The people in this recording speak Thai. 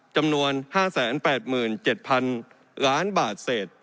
จำนวน๕๘๗๐๐๐ล้านบาทเศษ